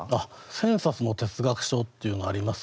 「千冊の哲学書」っていうのあります